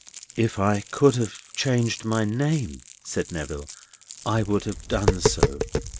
"If I could have changed my name," said Neville, "I would have done so.